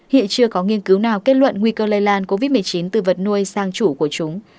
hiện chưa có nghiên cứu nào kết luận nguy cơ lây lan covid một mươi chín từ vật nuôi sang chủ của chúng